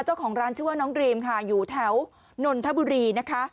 เจ้าของร้านชื่อว่าน้องดรีมค่ะอยู่แถวนนทบุรีนะคะ